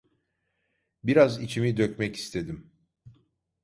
Biraz içimi dökmek istedim.